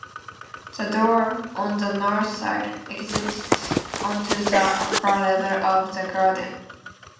The door, on the north side, exits onto the upper level of the garden.